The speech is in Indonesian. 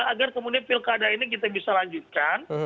agar kemudian pilkada ini kita bisa lanjutkan